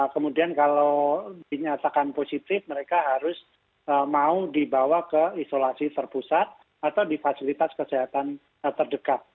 kemudian kalau dinyatakan positif mereka harus mau dibawa ke isolasi terpusat atau di fasilitas kesehatan terdekat